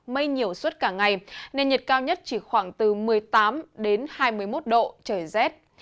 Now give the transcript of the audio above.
mây nhiều suốt cả ngày nền nhiệt cao nhất chỉ khoảng từ một mươi tám đến hai mươi một độ trời rét